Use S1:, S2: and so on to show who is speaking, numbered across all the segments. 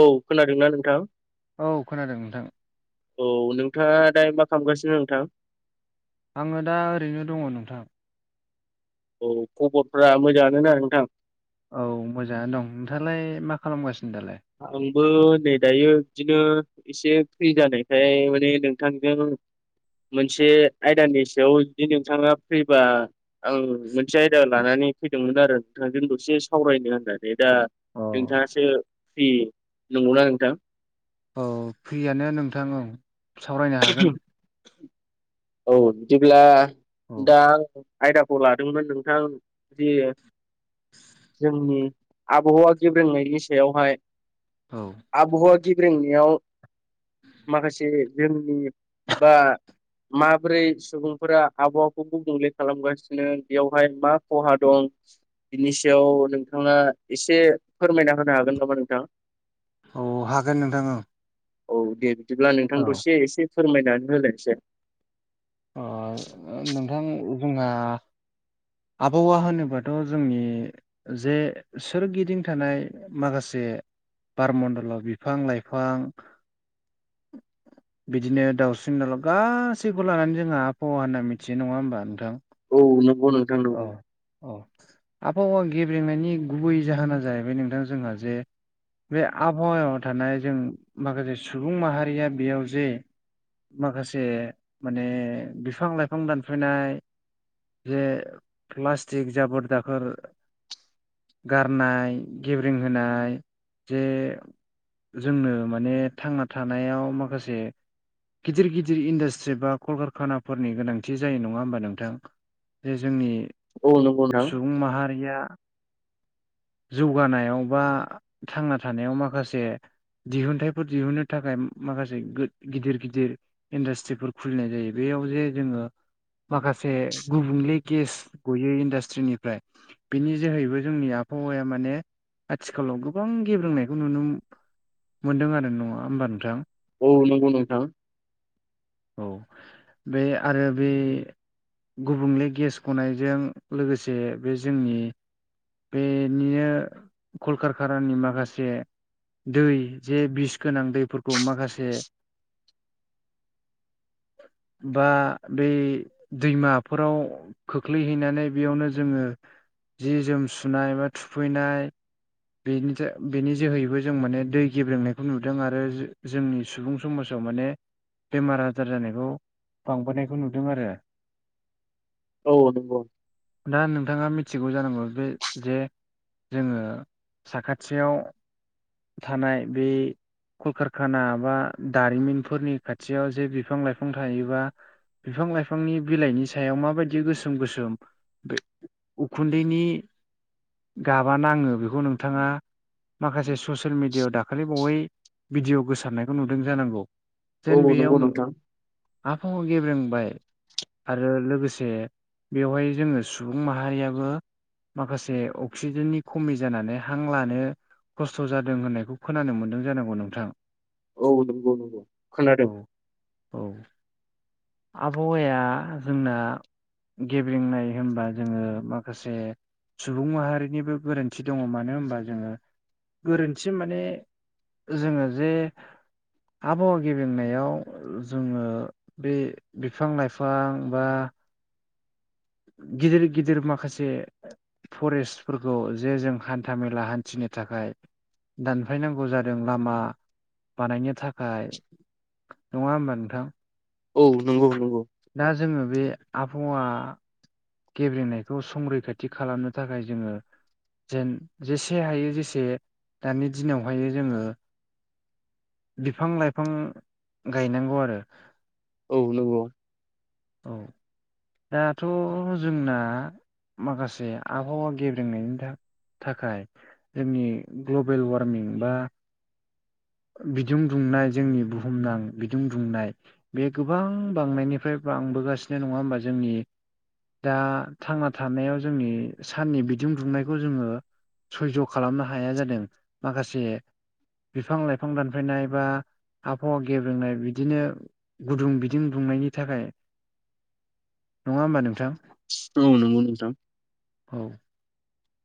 S1: औ खोनादोंना नोंथां?
S2: औ खोनादों नोंथां
S1: औ नोंथांङा दायो मा खालामगासिनो नोंथां?
S2: आंङो दा ओरैनो दंङ नोंथां।
S1: औ। खबरफोरा मोजांङानो ना नोंथां?
S2: औ मोजांङानो दं। नोंथांलाय मा खालामगासिनो दालाय?
S1: आंबो नै दायो बिदिनो एसे फ्रि जानायखाय माने नोंथांजों मोनसे आयदानि सायाव जुदि नोंथांङा फ्रिबा आं मोनसे आयदा लानानै फैदोंमोन आरो नोंथांजों दसे सावरायनो होननानै। नै दा
S2: औ
S1: नोंथाङासो फ्रि नंगौना नोंथा?
S2: औ। फ्रियानो नोंथां औ, सावरायनो हागोन।
S1: औ बिदिब्ला
S2: औ
S1: दा आं आयदाखौ लादोंमोन नोंथां जि जोंनि आबहावा गेब्रेंनायनि सायावहाय
S2: औ।
S1: आबहावा गिब्रेंनायाव माखासे जोंनि बा माबोरै सुबुंफोरा आबहावाखौ गुबुंले खालामगासिनो? बेयावहाय मा खहा दं? बिनि सायाव नोंथांङा एसे फोरमायना होनो हागोन नामा नोंथां?
S2: औ। हागोन नोंथां ओं।
S1: औ दे बिदिब्ला नोंथांखौ दसे एसे फोरमायनानै होलायसै‌।
S2: नोंथां जोंहा आबहावा होनोबाथ' जोंनि जे सोरगिदिं थानाय माखासे बार मणडलाव बिफां लाइफां बिदिनो दाउस्रिन दाउला गासैखौबो लानानै जोंहा आबहावा होनना मिथियो नंङा होमबा नोंथां?
S1: औ नंगौ नोंथां नंगौ।
S2: अ आबहावा गेब्रेंनायनि गुबै जाहोना जाहैबाय नोंथां जोंहा जे बे आबहावायाव थानाय जों माखासे सुबुं माहारिया बेयाव जे माखासे माने बिफां लाइफां दानफायनाय जे प्लास्टिक जाबोर दाखोर गारनाय गेब्रें होनाय जे जोंनो माने थांना थानायाव माखासे गिदिर गिदिर इन्डासट्रिफ्रा कलखार फानाफोरनि गोनांथि जायो नंङा होमबा नोंथां? जे जोंनि
S1: औ नंगौ नोंथां
S2: सुबुं माहारिया
S1: [inaudible]
S2: जौगानायाव बा थांना थानायाव माखासे दिहुनथाइफोर दिहुननो थाखाय माखासे गो गिदिर गिदिर इन्डास्ट्रिफोर खुलिनाय जायो। बेयाव जे जोङो माखासे गुबुंले गेस गयो इन्डास्ट्रिनिफ्राय बिनि जोहैबो जोंनि आबहावाया माने आथिखालाव गोबां गेब्रेंनायखौ नुनो मोनदों आरो नङा होमबा नोंथां?
S1: औ नंगौ नोंथां।
S2: औ बे आरो बे गुबुंले गेस गनायजों लोगोसे बे जोंनि बेनिनो कलकारखानानि माखासे दै जे बिस गोनां दैफोरखौ माखासे बा बे दैमाफोराव खोख्लैहैनानै बेयावनो जोङो जि जोम सुनाय बा थुफैनाय बेनि था बेनि जोहैबो जों माने दै गेब्रेंनायखौ नुदों आरो जो-जोंनि सुबुं समाजाव माने बेमार आजार जानाय खौ बांबोनायखौ नुदों आरो।
S1: औ नंगौ।
S2: दा नोंथाङा मिथिगौ जानांगौ बे जे जोङो साखाथियाव थानाय बे कलकारखाना बा दारिमिनफोरनि खाथियाव जे बिफां लाइ फां थायोबा बिफां लाइफांनि बिलाइनि सायाव माबायदि गोसोम गोसोम उखुन्दैनि गाबा नाङो बेखौ नोंथाङा माखासे ससियेल मिडियाआव दाखालि बावै भिडिय' गोसारनायखौ नुदों जानांगौ।
S1: औ
S2: जेन
S1: औ
S2: बेयाव
S1: नंगौ नोंथां।
S2: आबहावा गेब्रोंबाय। आरो लोगोसे बेवहाय जोङो सुबुं माहारियाबो माखासे अक्सिजेननि खमि जानानै हां लानो खस्थ' जादों होननायखौ खोनानो मोन्दों जानांगौ नोंथां।
S1: औ नंगौ नंगौ खोनादों। [inaudible]
S2: औ औ आबहावाया जोंना गेब्रेंनाय होनबा जोङो माखासे सुबुं माहारिनिबो गोरोन्थि दङ मानो होनबा जोङो गोरोन्थि माने जोङो जे आबहावा गेबेंनायाव जोङो बे बिफां लाइफां बा गिदिर गिदिर माखासे। फरेस्टफोरखौ जे जों हान्थाामेला हान्थिनो थाखाय। दानफाय नांगौ जादों लामा बानायनो थाखाय। नङा होमबा नोंथां।
S1: औ नंगौ नंगौ।
S2: दा जोङो बे आबहावा। गेब्रेंनायखौ संरैखाथि खालामनो थाखाय जोङो। जेन जेसे हायो जेसे दानि दिनावहाय जोङो। बिफां लाइफां गायनांगौ आरो।
S1: औ नंगौ।
S2: औ। दाथ' जोंना माखासे आबहावा गेब्रेंनायनि थाख थाखाय जोंनि ग्लबेल वार्मिं बा बिदुं दुंनाय जोंनि बुहुमनां बिदुं दुंनाय बे गोबां बांनायनिफ्राय बांबोगासिनो नङा होमबा जोंनि दा थांना थानायाव जोंनि साननि बिदुं दुंनायखौ जोङो सैज खालामनो हाया जादों माखासे बिफां लाइ बिफां दानफायनाय बा आबहावा गेब्रेनाय बिदिनो। गुदुं बिदिं बुंनायनि थाखाय नङा होमबा नोंथां।
S1: औ नंगौ नोंथां।
S2: औ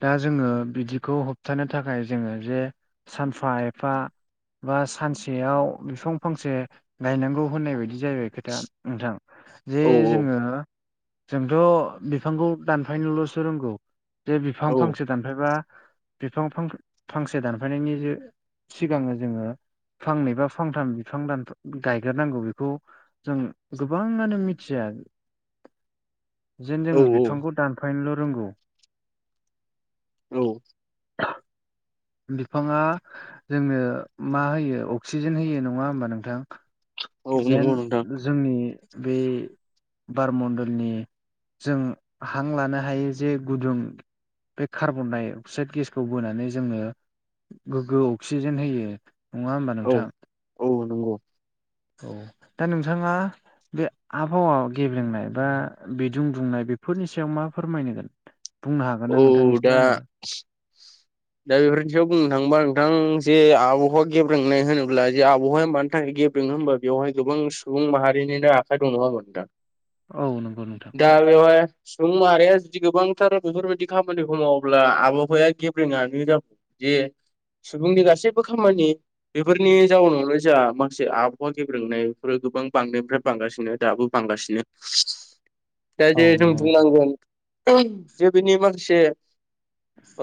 S2: दा जोङो बिदिखौ होबथानो थाखाय जोङो जे सानफा एफा। बा सानसेयाव बिफां फांसे गायनांगौ होननाय बायदि जाहैबाय खोथा। नोंथां जे
S1: औ
S2: जोङो। जोंथ बिफांखौ दानफायनोलसो रोंगौ। जे बिफां
S1: औ
S2: फांसे दानफायबा बिफां फांसे दानफायनायनि जे सिगाङो जोङो फांनै बा फांथाम बिफां दान गायग्रोनांगौ बेखौ। जों गोबाङानो मिथिया।
S1: [inaudible]
S2: जेन
S1: औ
S2: जोङो
S1: औ
S2: बिफांखौ दानफायनोल रोंगौ।
S1: औ
S2: बिफाङा जोंनो मा होयो अक्सिजेन होयो नङा होमबा नोंथां।
S1: औ
S2: जेन
S1: नंगौ नोंथां
S2: जोंनि बे बार मडलनि जों हां लानो हायो जे गुदुं। बे कार्बन-डाइ-अक्साइड गेसखौ बोनानै जोङो। गोग्गो अक्सिजेन होयो नङा होमबा
S1: औ
S2: नोंथां।
S1: औ नंगौ
S2: औ दा नोंथाङा। बे आबहावा गेब्रेंनाय बा बिदुं दुंनाय बेफोरनि सायाव मा फोरमायनोगोन?
S1: [inaudible]
S2: बुंनो हागोन
S1: औ
S2: ना नोंथां
S1: दा
S2: एसे आङो?
S1: दा बेफोरनि सायाव बुंनो थाङोबा नोंथां जे आबहावा गेब रोंनाय होनोब्ला जे आबहावाया मानि थाखाय गेब ङो होमबा बेवहाय गोबां सुबुं माहारिनिनो आखाइ दं नङामोन दा
S2: औ नंगौ नोंथां।
S1: दा बेवहाय सुबुं माहारिया जुदि गोबांथार बेफोरबायदि खामानिखौ मावोब्ला आबहावाया गे फोरोङानो जाब जे सुबुंनि गासैबो खामानि। बेफोरनि जाउनावलाय जोंहा माखासे आबहावा गेब्रोंनायफोर गोबां बांनायनिफ्राय। बांगासिनो दाबो बांगासिनो। दा
S2: औ
S1: जे जों
S2: नंगौ नोंथां
S1: बुंनांगोन जे बिनि माखासे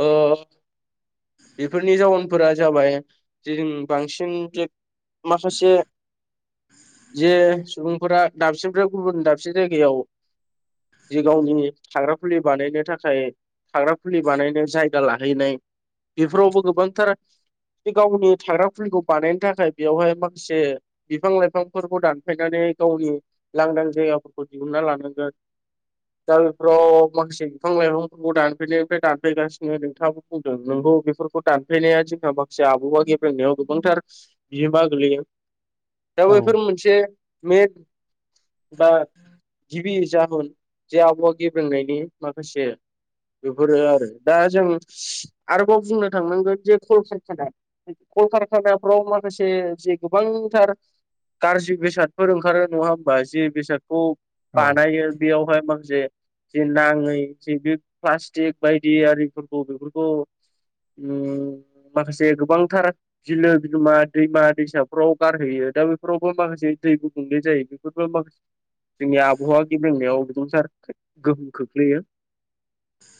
S1: ओ बेफोरनि जाउनफोरा जाबाय जे जों बांसिन। माखासे जे सुबुंफोरा दाबसेनिफ्राय गुबुन दाबसे जायगायाव। जि गावनि थाग्रा खुलि बानायनो थाखाय थाग्रा खुलि बानायनो जायगा ला हैनाय बेफोरावबो गोबांथार गावनि थाग्रा फुलिखौ बानायनो थाखाय बेवहाय माखासे बिफां लाइफांफोरखौ दानफायनानै गावनि लांदां जायगाफोरखौ दिहुनना लानांगोन दा बेफोराव माखासे बिफां लाइफांफोरखौ दानफैनायनिफ्राय दानफैगासिनो थां बुंदों नंगौ बेफोरखौ दानफ्लेनाया जोंहा माखासे आबुङा गेब्रेंनायाव गोबांथार बियोबा गोलैयो दा
S2: औ
S1: बैफोर मोनसे मेन बा गिबि जाहोन जे आबहावा गेब्रोंनायनि माखासे बेफोरो आरो दा जों आरोबाव बुंनो थांनांगोन जे कलकारखाना। कलकारखानाफ्राव माखासे जे गोबांथार गाज्रि बेसादफोर ओंखारो नङा होमबा जे बेसादखौ
S2: औ
S1: बानायो। बेयावहाय माखासे जे नाङै जे बे प्लास्टिक बायदि आरि औ बेफोरखौ उम माखासे गोबांथार। बिलो बिलोमा दैमा दैसाफ्राव गारहैयो दा बेफोरावबो माखासे दै गुबुंले जायो बेफोरबो माखासे जोंनि आबहावा गेब्रेंनायाव गोबांथार गो गोलै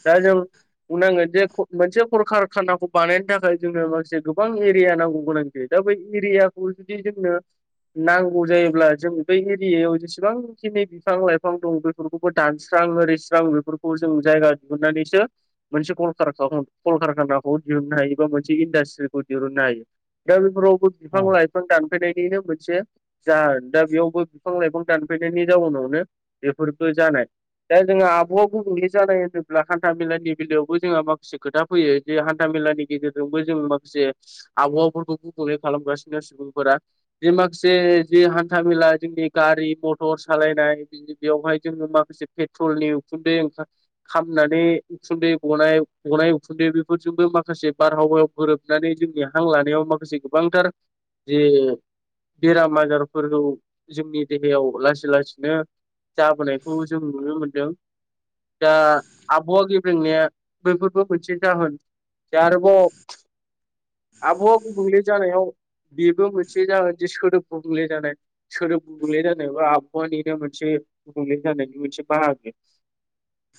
S1: दा जों बुंनांगोन जे मोनसे खरखार खानाखौ बानायनो थाखाय जोंनो माखासे गोबां एरिया नांगौ गोनां दा बै एरियाखौ जुदि जोंनो नांगौ जायोब्ला जों बै एरियायाव जेसेबांखिनि बिफां लाइफां दं बेफोरखौबो दानस्रां ओरिस्रां बेफोरखौ जों जायगा दिहुननानैसो मोनसे कलकारखानाखौ दिहुननो हायो बा मोनसे इन्डास्ट्रिखौ दिहुननो हायो दा बेफोरावबो बिफां लाइफां दानफायनायनिनो मोनसे जो दा बेयावबो बिफां लाइफां दानफैनायनि जाउनावनो बेफोरफोरखौ जानाय दा जोंहा आब'आ गुबुंलै जानाय होनोब्ला हान्था मेलानि बेलायावबो जोंहा माखासे खोथा फैयो जे हान्था मेलानि गेजेरजोंबो जों माखासे आबहावाफोरखौ गुबुंले खालामगासिनो सुबुंफोरा जि माखासे जि हान्था मेला जोंनि गारि मथर सालायनाय बेवहाय जोङो माखासे पेट्रलनि उखुन्दै ओं खामनानै उखुन्दै गनाय गनाय उखुन्दै बेफोरजोंबो माखासे बारहावायाव गोरोबनानै जोंनि हां लानायाव माखासे गोबांथार जे बेराम आजारफोरखौ जोंनि देहायाव लासै लासैनो जाबोनायखौ जों नुनो मोनदों दा आबोया जोंनिया बैफोरबो मोनसे जाहोन दा आरोबाव आबहावा गुबुंले जानायाव बेबो मोनसे जागोन जे सोदोब गुबुंले जानाय सोरदोब गुबुंले जानाय बा आबहावानिनो मोनसे गुबुंले जानायनि मोनसे बाहागो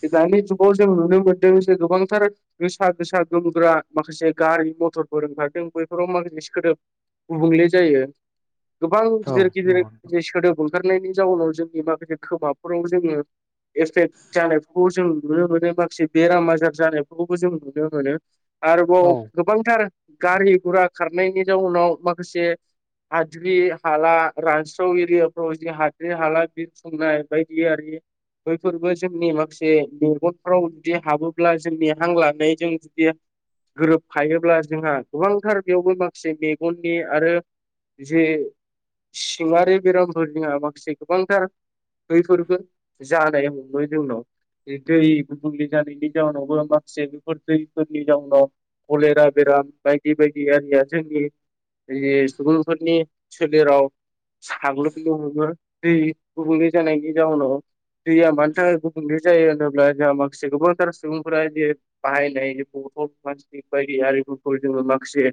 S1: बे दानि जुगावजों नुनो मोनदों जे गोबांथार गोसा गोसा गोमग्रा माखासे गारि मथरफोर ओंखारदों बैफोराव माखासे सोदोब गुबुंले जायो गोबां गिदिर
S2: औ
S1: गिदिर
S2: नंगौ
S1: जे सोदोब ओंखारनायनि जाउनाव जोंनि माखासे खोमाफोराव जोङो एफेक्ट जानायफोरखौ जों नुनो मोनो माखासे बेराम आजार जानायबो जों नुनो मोनो आरोबाव
S2: औ
S1: गोबांथार गारि गुरा खारनायनि जाउनाव माखासे हाद्रि हला रानस्राव एरियाफ्राव हाद्रि हला संनाय बायदियि बैफोरबो जोंनि माखासे मेगनफ्राव जुदि हाबोब्ला जों हां लानाय जों जुदि गोरोबफायोब्ला जोंहा गोबांथार बेयावबो माखासे मेगननि आरो जे सिङारि बेरामफोरनिया माखासे गोबांथार बैफोरबो जानाय हमो जोंनाव दै गुबुंले जानायनि जाउनावबो माखासे बेफोर दैफोरनि जाउनाव कलेरा बेराम बायदि बायदि आररिया जोंनि सुबुंफोरनि सोलेराव साग्लोबनो हमो दै गुबुंले जानायनि जाउनाव दैया मानि थाखाय गुबुंले जायो होनोब्ला जोहा माखासे गोबांथार सुबुंफोरा ज बाहायनाय बथल बे बायदि आरिमुखौ जोङो माखासे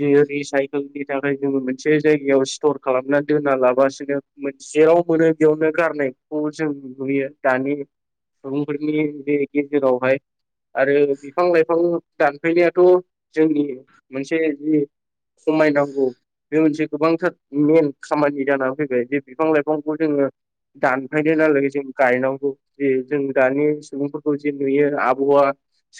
S1: बियो रिसाइकोलनि थाखाय जोङो मोनसे जायगायाव स्टर खालामना दोनना लाबासिनो जेराव मोनो बेयावनो गारनायखौ जों नुयो दानि फोरनि बे गेजेरावहाय आरो बिफां लाइफां दानफायनायाथ' जोंनि मोनसे जि खमायनांगौ बे मोनसे गोबांथार मेन खामानि जानानै फैबाय बे बिफां लाइफांखौ जोङो दानफायनायहालागै जों गायनांगौ जे जों दानि सुबुंफोरखौ जे नुयो आबहावा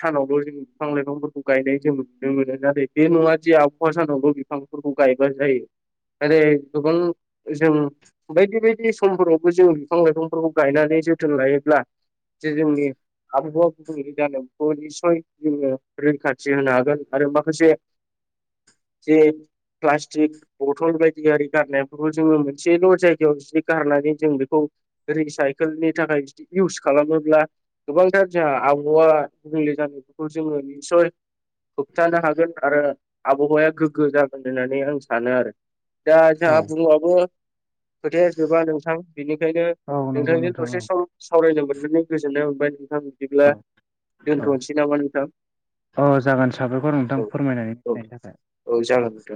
S1: सानावल' जों बिफां लाइफांफोरखौ गायनाय जों नुनो मोनो नाथाय बे नङा जे आबहा सानावबो बिफांफोरखौ गायबा जायो। जेरै गोबां जों बायदि बायदि समफोरावबो जों बिफां लाइफांफोरखौ गायनानै जोथोन लायोब्ला जे जोंनि आबहावा गुबुंले जानायखौदि निसय जोङो रैखाथि होनो हागोन आरो माखासे जे प्लास्टिक बथल बायदि आरि गारनायफोरखौ जोङो मोनसेल' जायगायाव जि गारनानै जों बेखौ रि साइकेलनि थाखाय बिदि इउस खालामोब्ला गोबांथार जोंहा आबहावा गुबुंले जानायफोरखौ जोङो निसय होबथानो हागोन आरो आबहावाया गोग्गो जागोन होननानै आं सानो आरो। दा जोंहा
S2: औ
S1: बुंबाबो खोथाया जोबा नोंथां बेनिखायनो
S2: औ नंगौ
S1: नोंथांजों
S2: नोंथां
S1: दसे
S2: औ
S1: सम सावरायनो मोननानै गोजोननाय मोनबाय नोंथां बिदिब्ला
S2: औ
S1: दोनथ'नोसै नामा नोंथां?
S2: औ जागोन साबायखर नोंथां
S1: औ
S2: फोरमायनानै
S1: औ
S2: होनायनि
S1: औ जागोन
S2: थाखाय।
S1: नोंथां